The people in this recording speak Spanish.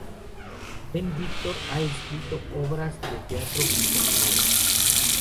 Ben-Victor ha escrito obras de teatro junto a su madre.